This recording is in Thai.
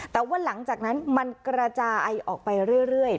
แต่ว่าหลังจากนั้นมันกระจายออกไปเรื่อย